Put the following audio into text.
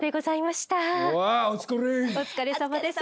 お疲れさまです。